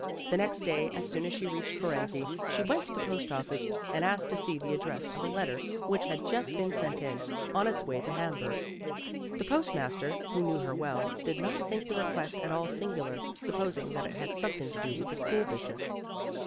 The next day as soon as she reached Fohrensee, she went to the post office, and asked to see the address of a letter which had just been sent in, on its way to Hamburg. The post master, who knew her well, did not think the request at all singular, supposing that it had something to do with the school business.